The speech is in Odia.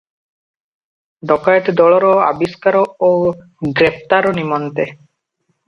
ଡକାଏତ ଦଳର ଆବିଷ୍କାର ଓ ଗ୍ରେପ୍ତାର ନିମନ୍ତେ ।